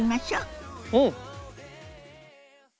うん！